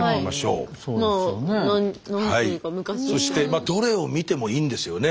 そしてどれを見てもいいんですよね？